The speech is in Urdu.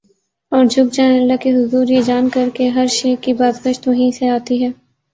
اور جھک جائیں اللہ کے حضور یہ جان کر کہ ہر شے کی باز گشت وہیں سے آتی ہے ۔